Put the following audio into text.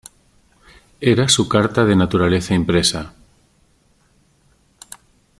Era su carta de naturaleza impresa.